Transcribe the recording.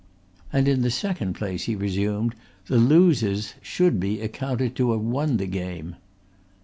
"And in the second place," he resumed, "the losers should be accounted to have won the game."